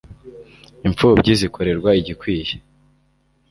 imfubyi zikorerwa igikwiye